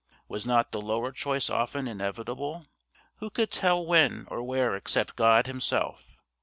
Was not the lower choice often inevitable? Who could tell when or where except God Himself?